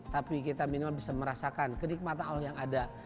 tapi kita minimal bisa merasakan kenikmatan allah yang ada